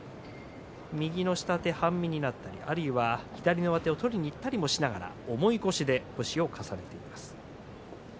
右の下手、半身になってあるいは左上手を取りにいったりもしながら重い腰で星を重ねています。